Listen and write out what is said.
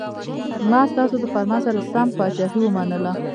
ما ستاسو د فرمان سره سم پاچهي ومنله.